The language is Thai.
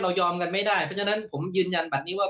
ยอมกันไม่ได้เพราะฉะนั้นผมยืนยันบัตรนี้ว่า